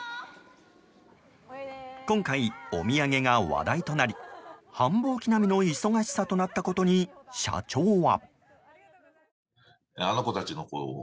今回、お土産が話題となり繁忙期並みの忙しさとなったことに社長は。